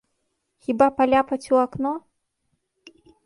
Хіба паляпаць у акно?